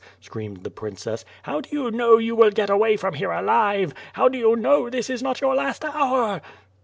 screamed the princess. '"How do you know you will get away from here alive? How do you know this is not your last hour?"